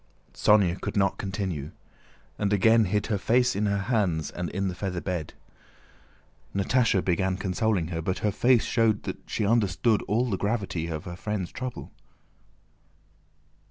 Sónya could not continue, and again hid her face in her hands and in the feather bed. Natásha began consoling her, but her face showed that she understood all the gravity of her friend's trouble.